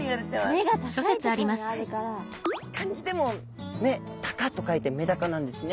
漢字でも「目高」と書いてメダカなんですね。